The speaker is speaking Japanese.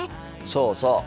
そうそう。